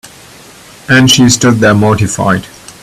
And she stood there mortified.